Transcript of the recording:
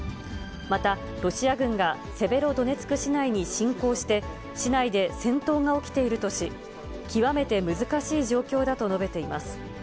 また、ロシア軍がセベロドネツク市内に侵攻して、市内で戦闘が起きているとし、極めて難しい状況だと述べています。